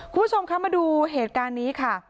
คุณผู้ชมคะมาดูเหตุการณ์นี้ค่ะ